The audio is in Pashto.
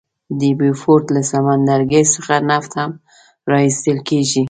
د بیوفورت له سمندرګي څخه نفت هم را ایستل کیږي.